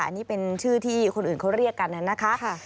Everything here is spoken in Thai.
อันนี้เป็นชื่อที่คนอื่นเขาเรียกกันนะคะ